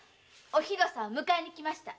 おひろさんを迎えに来ました。